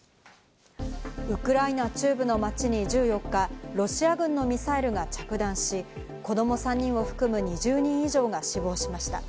ウクライナ中部の街に１４日、ロシア軍のミサイルが着弾し、子供３人を含む２０人以上が死亡しました。